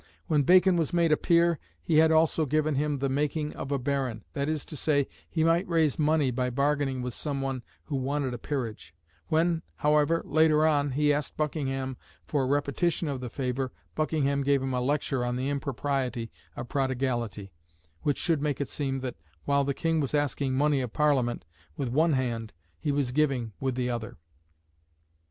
When Bacon was made a Peer, he had also given him "the making of a Baron;" that is to say, he might raise money by bargaining with some one who wanted a peerage; when, however, later on, he asked Buckingham for a repetition of the favour, Buckingham gave him a lecture on the impropriety of prodigality, which should make it seem that "while the King was asking money of Parliament with one hand he was giving with the other."